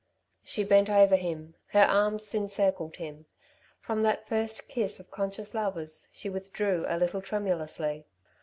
She bent over him; her arms encircled him. From that first kiss of conscious lovers she withdrew a little tremulously.